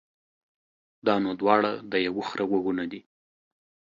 دا نو دواړه د يوه خره غوږونه دي.